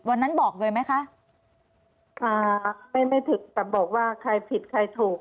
วันนั้นบอกเลยไหมคะค่ะไม่ไม่ถูกแต่บอกว่าใครผิดใครถูก